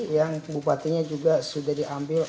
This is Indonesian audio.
yang bupatinya juga sudah diambil